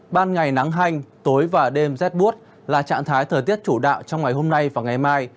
ban ngày nắng hanh tối và đêm rét bút là trạng thái thời tiết chủ đạo trong ngày hôm nay và ngày mai